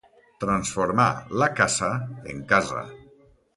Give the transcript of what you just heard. Transformà la caça en casa.